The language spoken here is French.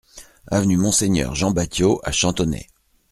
Avenue Monseigneur Jean Batiot à Chantonnay